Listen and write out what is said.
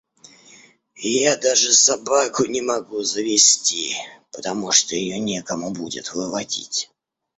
Я даже собаку не могу завести, потому что ее некому будет выводить.